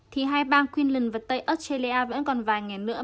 thì hai bang queensland và tây australia vẫn còn vài ngày nữa